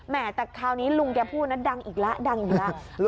แต่คราวนี้ลุงแกพูดนะดังอีกแล้วดังอีกแล้ว